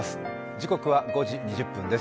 時刻は５時２０分です。